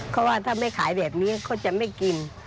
เพราะว่าถ้าไม่ขายแบบนี้เขาจะไม่กิน